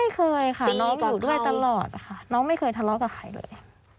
ไม่เคยค่ะน้องอยู่ด้วยตลอดค่ะน้องไม่เคยทะเลาะกับใครเลย